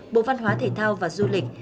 bộ văn hóa thể thao và du lịch